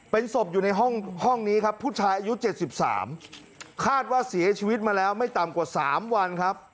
เป็นศพอยู่ในห้องนี้ครับผู้ชายอายุ๗๓คาดเสียชีวิตไม่อยู่ต่ำกว่า๓วัน